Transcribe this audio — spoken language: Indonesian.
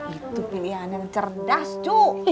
itu pilihan yang cerdas tuh